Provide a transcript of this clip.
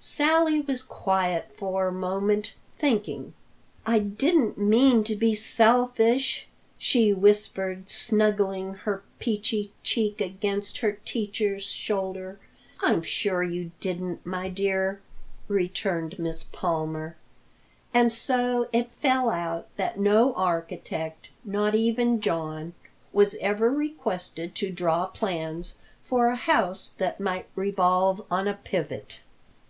Sally was quiet for a moment, thinking. "I didn't mean to be selfish," she whispered, snuggling her peachy cheek against her teacher's shoulder. "I'm sure you didn't, my dear," returned Miss Palmer. And so it fell out that no architect, not even John, was ever requested to draw plans for a house that might revolve on a pivot.